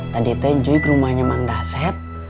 tadi teh coy ke rumahnya mang dasyep